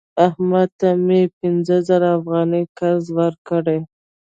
احمد ته مې پنځه زره افغانۍ قرض ورکړی